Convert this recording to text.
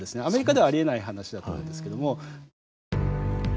アメリカではありえない話だと思うんですけども。